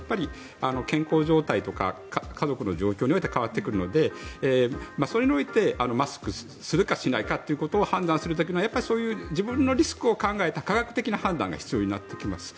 健康状態とか家族の状況によって変わってくるのでそれにおいてマスクをするか、しないかと判断する時の自分のリスクを考えた科学的な判断が必要になってきます。